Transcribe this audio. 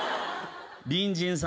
隣人さん。